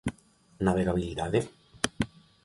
¿Navegabilidade?